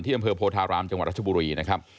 อำเภอโพธารามจังหวัดรัชบุรีนะครับ